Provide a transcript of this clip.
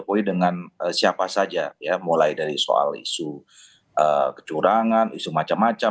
jokowi dengan siapa saja ya mulai dari soal isu kecurangan isu macam macam